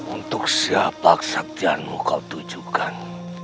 untuk siapa kesaktianmu kau tujukan